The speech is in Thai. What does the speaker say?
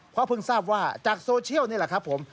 เพราะเพิ่งทราบว่าจากโซเชียลนี่แหละครับผม